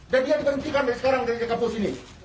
dan dia diperhentikan dari sekarang dari kampus ini